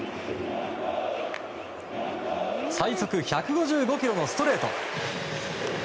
最速１５５キロのストレート。